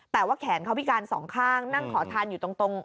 แต่ว่าแขนเขาพิการสองข้างนั่งขอทานอยู่ตรง